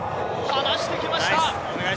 離してきました。